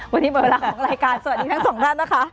วันนี้หมดเวลาของรายการสวัสดีทั้งสองท่านนะคะ